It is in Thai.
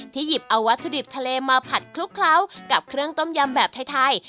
หยิบเอาวัตถุดิบทะเลมาผัดคลุกเคล้ากับเครื่องต้มยำแบบไทย